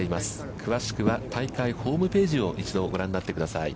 詳しくは大会ホームページを一度ご覧になってください。